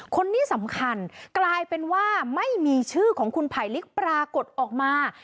คนนี้สำคัญกลายเป็นว่าไม่มีชื่อของคุณไผลลิกปรากฏออกมา